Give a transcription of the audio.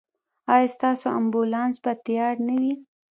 ایا ستاسو امبولانس به تیار نه وي؟